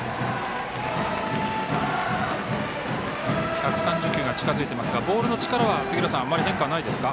１３０球が近づいていますがボールの力はあまり変化はないですか？